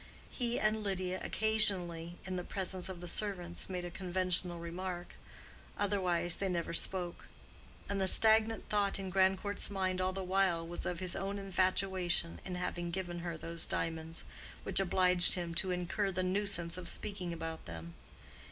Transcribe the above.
He and Lydia occasionally, in the presence of the servants, made a conventional remark; otherwise they never spoke; and the stagnant thought in Grandcourt's mind all the while was of his own infatuation in having given her those diamonds, which obliged him to incur the nuisance of speaking about them.